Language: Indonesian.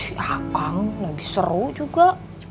iya kang lagi seru juga